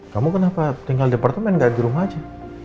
kamu kenapa tinggal di apartemen gak di rumah aja